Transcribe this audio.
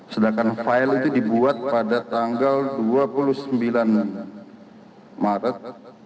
sedangkan file itu dibuat pada tanggal dua puluh sembilan maret